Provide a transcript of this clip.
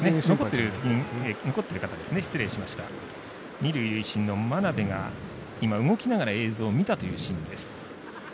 二塁、塁審の眞鍋が動きながら映像を見たというシーンです。